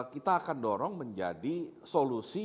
kita akan dorong menjadi solusi